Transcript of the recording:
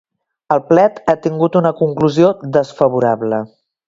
El plet ha tingut una conclusió desfavorable.